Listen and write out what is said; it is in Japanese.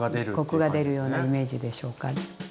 コクが出るようなイメージでしょうか。